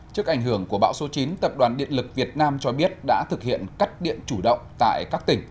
trước ảnh hưởng của bão số chín tập đoàn điện lực việt nam cho biết đã thực hiện cắt điện chủ động tại các tỉnh